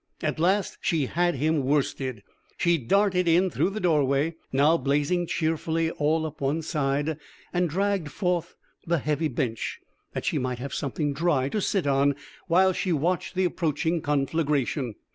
At last she had him worsted. She darted in through the doorway now blazing cheerfully all up one side and dragged forth the heavy bench, that she might have something dry to sit on while she watched the approaching conflagration.